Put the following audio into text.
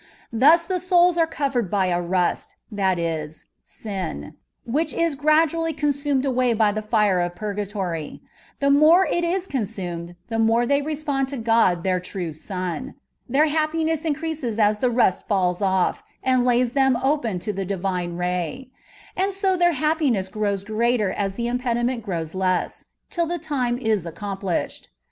Thus the souls are corered by a mst — ^that is, sin — ^which is gradually consumed away by the fire of purgatory ; the more ib is consumed, the more they respond to God their true Sun; their happiness increases as the rust falls off, and lays them open to the Divine ray; and so their happi ness grows greater as the impediment grows less, till the time is accomplished.